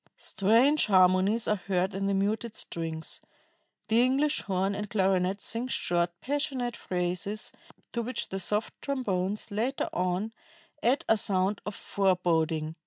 "Strange harmonies are heard in the muted strings. The English horn and clarinet sing short, passionate phrases, to which the soft trombones later on add a sound of foreboding.